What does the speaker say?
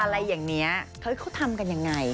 อะไรอย่างนี้เฮ้ยเขาทำกันยังไง